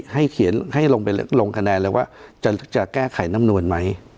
ให้ลงคะแนนเลยว่าจะแก้ไขน้ำนวลไหม